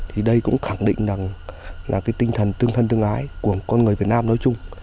hẳn định là cái tinh thần tương thân tương ái của con người việt nam nói chung